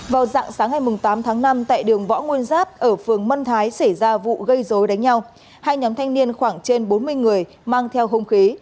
vào dạng sáng ngày tám tháng năm tại đường võ nguyên giáp ở phường mân thái xảy ra vụ gây dối đánh nhau hai nhóm thanh niên khoảng trên bốn mươi người mang theo hung khí